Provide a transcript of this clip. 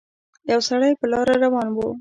يو سړی په لاره روان وو